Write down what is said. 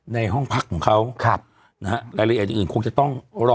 ในห้องพักของเขาครับนะฮะรายละเอียดอื่นอื่นคงจะต้องรอ